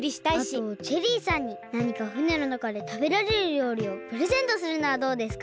あとジェリーさんになにかふねのなかでたべられるりょうりをプレゼントするのはどうですか？